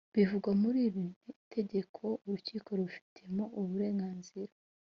bivugwa muri iri tegeko urukiko rubifitiye uburenganzira